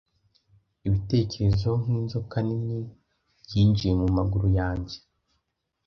ibitekerezo nkinzoka nini Byinjiye mumaguru yanjye